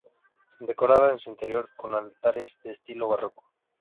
Decorada en su interior con altares de estilo barroco.